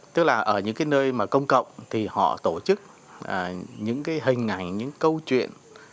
tức là ở những cái nơi mà công cộng thì họ tổ chức những cái hình ảnh những câu chuyện